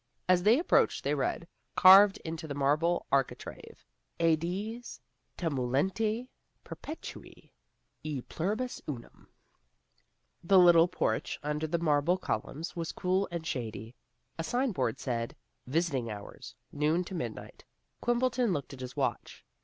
As they approached they read, carved into the marble architrave: AEDES TEMULENTI PERPETUI E PLURIBUS UNUM The little porch, under the marble columns, was cool and shady. A signboard said: Visiting Hours, Noon to Midnight. Quimbleton looked at his watch.